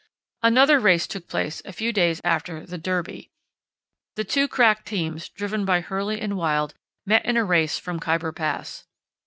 Another race took place a few days after the "Derby." The two crack teams, driven by Hurley and Wild, met in a race from Khyber Pass.